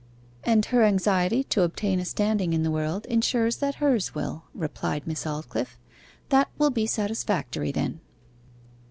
'And her anxiety to obtain a standing in the world ensures that hers will,' replied Miss Aldclyffe. 'That will be satisfactory, then.